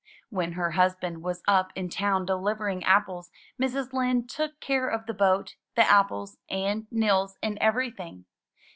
When her husband was up in town delivering apples Mrs. Lind took care of the boat, the apples, and Nils and everything.